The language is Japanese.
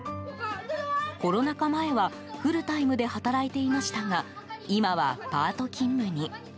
コロナ禍前はフルタイムで働いていましたが今はパート勤務に。